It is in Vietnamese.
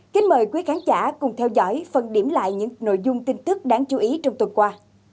kính mời quý khán giả cùng theo dõi phần điểm lại những nội dung tin tức đáng chú ý trong tuần qua